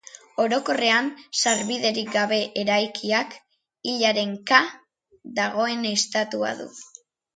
Orokorrean sarbiderik gabe eraikiak, hilaren ka dagoen estatua du.